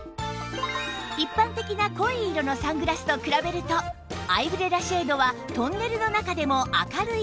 一般的な濃い色のサングラスと比べるとアイブレラシェードはトンネルの中でも明るいまま！